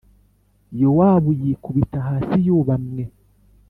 Yowabu yikubita hasi yubamwe